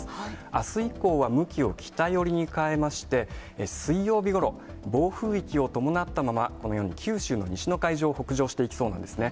あす以降は向きを北寄りに変えまして、水曜日ごろ、暴風域を伴ったまま、このように九州の西の海上を北上していきそうなんですね。